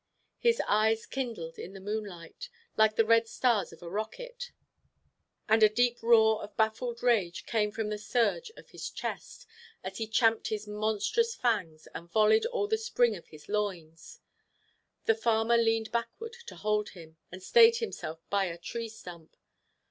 His eyes kindled in the moonlight, like the red stars of a rocket, and a deep roar of baffled rage came from the surge of his chest, as he champed his monstrous fangs, and volleyed all the spring of his loins. The farmer leaned backward to hold him, and stayed himself by a tree stump.